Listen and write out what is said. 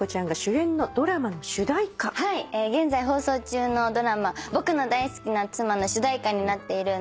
現在放送中のドラマ『僕の大好きな妻！』の主題歌になっている